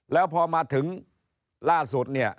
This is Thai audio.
แล้วพอมาถึงล่าสุดเนี่ย